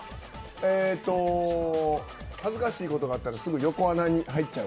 恥ずかしいことがあったらすぐ横穴に入っちゃう。